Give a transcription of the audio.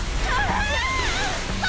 あ！